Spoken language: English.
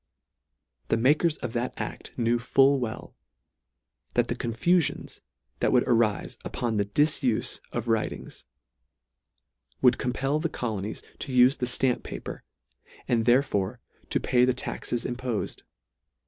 The makers of that act knew full well, that the confulions that would arife upon the difufe of writings would compel the colonies to ufe the ftamp paper, and therefore to pay the taxes impofed.